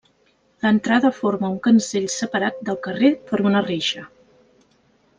L'entrada forma un cancell separat del carrer per una reixa.